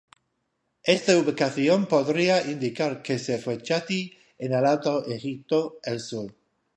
Esta ubicación podría indicar que fue chaty en el Alto Egipto, el sur.